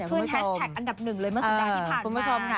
คือแฮชแทกอันดับหนึ่งเลยเมื่อสันดาที่ผ่านมา